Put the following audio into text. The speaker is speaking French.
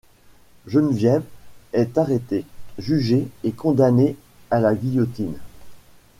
Geneviève est arrêtée, jugée et condamnée à la guillotine.